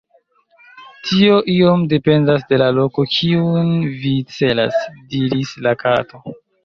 "Tio iom dependas de la loko kiun vi celas," diris la Kato.